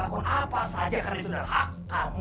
dan kamu berhak melakukan apa saja karena itu adalah hak kamu